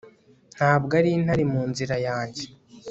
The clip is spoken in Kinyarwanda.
Ntabwo ari intare mu nzira yanjye